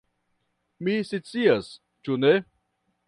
Mi scias, ĉu ne?